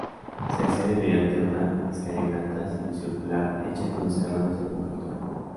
Se accede mediante una escalinata semicircular hecha con escalones de poca altura.